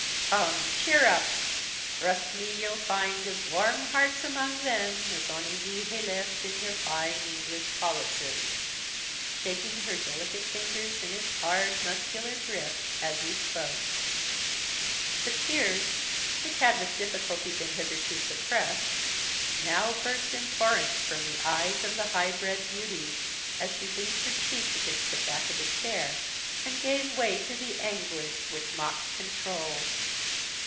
Come, cheer up trust me, ye'll find as warm hearts among them as ony ye ha'e left in your fine English policies" shaking her delicate fingers in his hard muscular gripe as he spoke. The tears, which had with difficulty been hitherto suppressed, now burst in torrents from the eyes of the high bred beauty, as she leant her cheek against the back of a chair, and gave way to the anguish which mocked control.